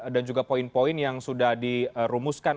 dan juga poin poin yang sudah dirumuskan